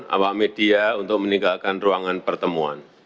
awak media untuk meninggalkan ruangan pertemuan